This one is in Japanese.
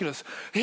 「え？」